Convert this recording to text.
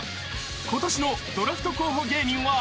［ことしのドラフト候補芸人は］